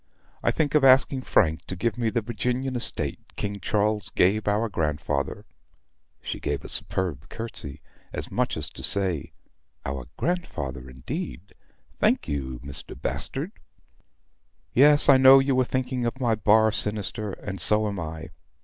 I think of asking Frank to give me the Virginian estate King Charles gave our grandfather. (She gave a superb curtsy, as much as to say, 'Our grandfather, indeed! Thank you, Mr. Bastard.') Yes, I know you are thinking of my bar sinister, and so am I.